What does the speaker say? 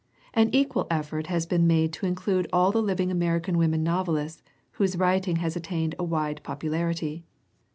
An equal effort has been made to include all the living American women novelists whose writing has attained a wide popularity.